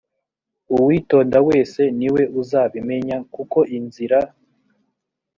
uwitonda wese ni we uzabimenya kuko inzira